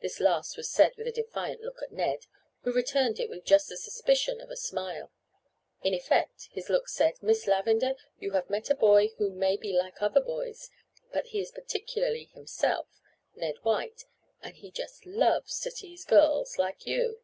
This last was said with a defiant look at Ned, who returned it with just the suspicion of a smile. In effect his look said: "Miss Lavender, you have met a boy who may be like other boys, but he is particularly himself—Ned White—and he just loves to tease girls—like you!"